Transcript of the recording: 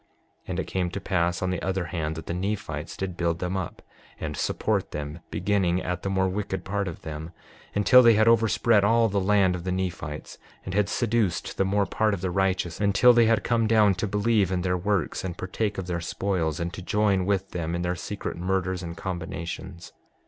6:38 And it came to pass on the other hand, that the Nephites did build them up and support them, beginning at the more wicked part of them, until they had overspread all the land of the Nephites, and had seduced the more part of the righteous until they had come down to believe in their works and partake of their spoils, and to join with them in their secret murders and combinations.